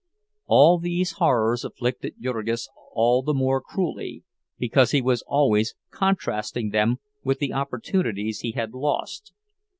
All these horrors afflicted Jurgis all the more cruelly, because he was always contrasting them with the opportunities he had lost.